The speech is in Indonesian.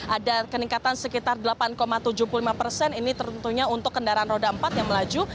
ada keningkatan sekitar delapan tujuh puluh lima persen ini tentunya untuk kendaraan roda empat yang melaju